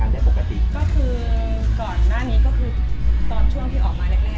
ก็คือก่อนหน้านี้ก็คือตอนช่วงที่ออกมาแรก